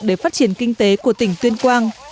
để phát triển kinh tế của tỉnh tuyên quang